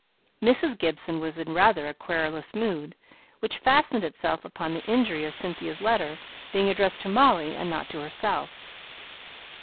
Mrs. Gibson was in rather a querulous mood, which fastened itself upon the injury of Cynthia's letter being addressed to Molly, and not to herself.